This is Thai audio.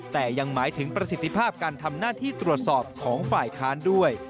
แต่ยังหมายถึงประสิทธิภาพการทำหน้าที่ตรวจสอบของฝ่ายค้านด้วย